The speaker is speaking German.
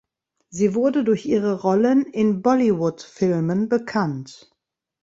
Sie wurde durch ihre Rollen in Bollywood-Filmen bekannt.